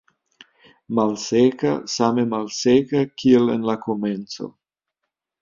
Malseka, same malseka kiel en la komenco.